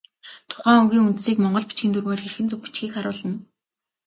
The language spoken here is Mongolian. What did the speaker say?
Тухайн үгийн үндсийг монгол бичгийн дүрмээр хэрхэн зөв бичихийг харуулна.